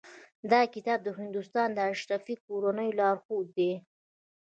دا کتاب د هندوستان د اشرافي کورنیو لارښود و.